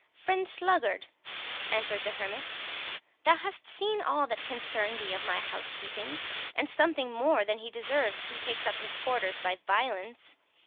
"Friend Sluggard," answered the hermit, "thou hast seen all that can concern thee of my housekeeping, and something more than he deserves who takes up his quarters by violence.